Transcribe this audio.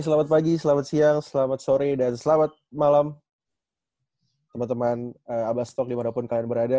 selamat pagi selamat siang selamat sore dan selamat malam teman teman abah stok dimanapun kalian berada